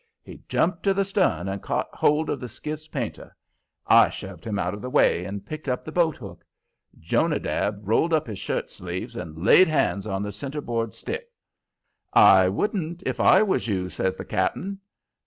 He jumped to the stern and caught hold of the skiff's painter. I shoved him out of the way and picked up the boat hook. Jonadab rolled up his shirt sleeves and laid hands on the centerboard stick. "I wouldn't, if I was you," says the cap'n.